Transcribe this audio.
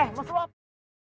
eh masuk apa